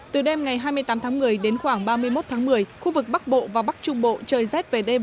từ đêm ngày hai mươi tám tháng một mươi đến khoảng ba mươi một tháng một mươi khu vực bắc bộ và bắc trung bộ trời rét về đêm